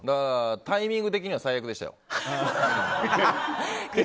タイミング的には最悪でしたよ。